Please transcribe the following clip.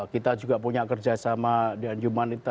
kita juga punya kerjasama dengan humanita